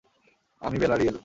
আমি বেলা রিয়েল।